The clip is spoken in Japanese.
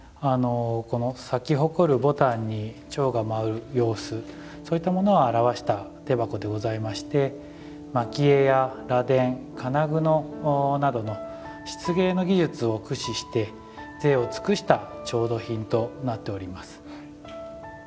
この咲き誇る牡丹に蝶が舞う様子そう言ったものを表した手箱でございまして蒔絵や螺鈿金貝などの漆芸技術を駆使してぜいを尽くした調度品となっております。